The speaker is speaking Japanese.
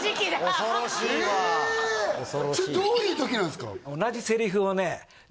恐ろしいわそれどういう時なんですか？